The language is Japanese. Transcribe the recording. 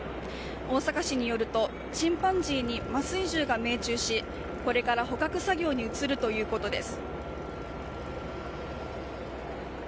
大阪市によると、チンパンジーに麻酔銃が命中し、これから捕獲作業に移るということです。